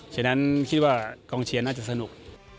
ฉะนั้นคิดว่ากองเชียร์น่าจะสนุก